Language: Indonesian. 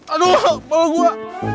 aduh malu gua